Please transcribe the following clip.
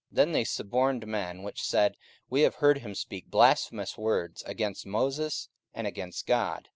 44:006:011 Then they suborned men, which said, We have heard him speak blasphemous words against Moses, and against God.